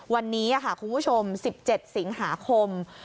วันนี้ค่ะคุณผู้ชม๑๗สิงหาคม